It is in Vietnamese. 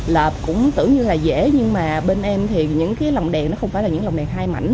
lợp cũng tưởng như là dễ nhưng mà bên em thì những cái lồng đèn nó không phải là những lồng đèn hai mảnh